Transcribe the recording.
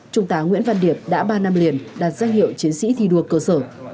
chúng ta nguyễn văn điệp đã ba năm liền đạt danh hiệu chiến sĩ thi đua cơ sở